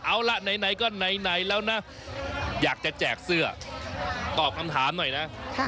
เอาล่ะไหนก็ไหนแล้วนะอยากจะแจกเสื้อตอบคำถามหน่อยนะ